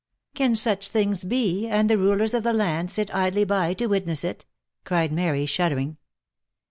'* Can such things be, and the rulers of the land sit idly by to wit ness it?" cried Mary shuddering.